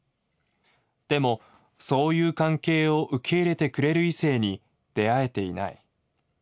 でもそういう関係を受け入れてくれる異性に出会えていない。